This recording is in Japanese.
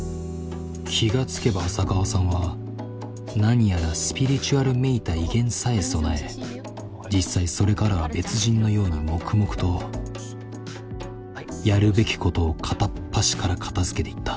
気が付けば浅川さんは何やらスピリチュアルめいた威厳さえ備え実際それからは別人のように黙々とやるべきことを片っ端から片づけていった。